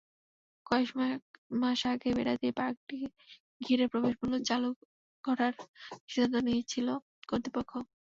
কয়েক মাস আগে বেড়া দিয়ে পার্কটি ঘিরে প্রবেশমূল্য চালু করার সিদ্ধান্ত নিয়েছিল কর্তৃপক্ষ।